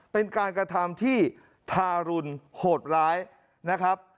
เป็นการกระทำที่ทารุณโหดร้ายนะครับ